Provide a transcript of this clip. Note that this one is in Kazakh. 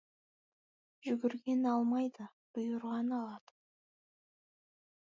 Жүгірген алмайды, бұйырған алады.